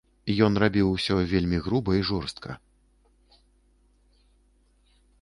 Ён рабіў усё вельмі груба і жорстка.